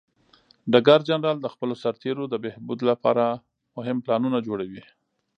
ډګر جنرال د خپلو سرتیرو د بهبود لپاره مهم پلانونه جوړوي.